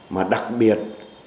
mà đặc biệt